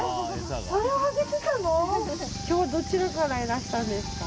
今日はどちらからいらしたんですか。